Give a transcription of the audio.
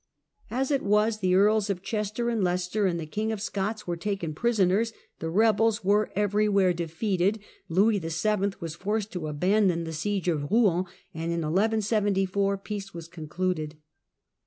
As it was, the Earls of Chester and Leicester and the King of Scots were taken prisoners, the rebels were everywhere defeated, Louis VII. was forced to abandon the siege of Kouen, and in 1174 peace was concluded.